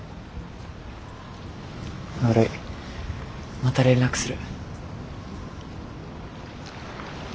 悪いまた連絡する。